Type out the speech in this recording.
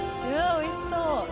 おいしそう。